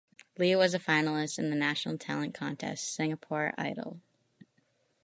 Lee was a finalist in the national talent contest, "Singapore Idol".